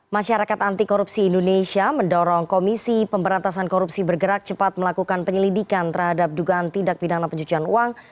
masyarakat anti korupsi indonesia mendorong komisi pemberantasan korupsi bergerak cepat melakukan penyelidikan terhadap dugaan tindak pidana pencucian uang